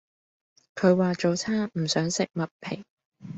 佢話早餐唔想食麥皮